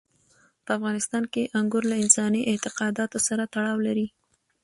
په افغانستان کې انګور له انساني اعتقاداتو سره تړاو لري.